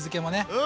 うん！